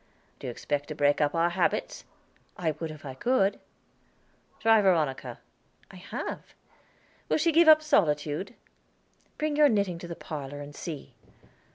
"Do you expect to break up our habits?" "I would if I could." "Try Veronica." "I have." "Will she give up solitude?" "Bring your knitting to the parlor and see."